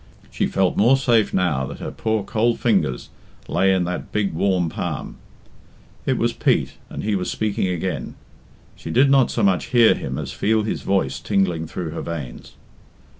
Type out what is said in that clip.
She felt more safe now that her poor cold fingers lay in that big warm palm. It was Pete, and he was speaking again. She did not so much hear him as feel his voice tingling through her veins.